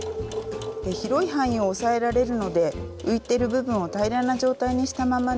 広い範囲を押さえられるので浮いてる部分を平らな状態にしたまま縫うことができます。